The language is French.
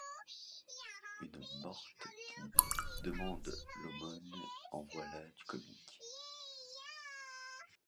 Une morte qui demande l’aumône, en voilà du comique?...